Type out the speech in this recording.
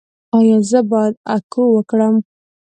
ایا زه باید اکو وکړم؟